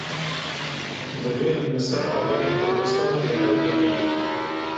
Divê em li ser alaya Kurdistanê li hev bikin.